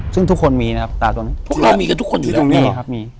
ซึ่งทุกคนมีนะครับตาตัวนี้พวกเรามีกันทุกคนอยู่ตรงนี้เลยครับมี